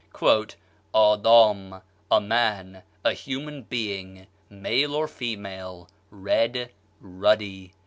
"ÂDâM, a man, a human being, male or female, red, ruddy."